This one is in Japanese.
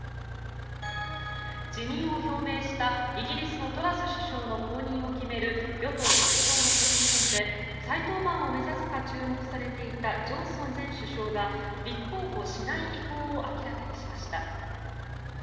辞任を表明したイギリスのトラス外相の後任を決める与党・保守党の党首選で再登板を目指すか注目されていたジョンソン前首相が立候補しない意向を明らかにしました。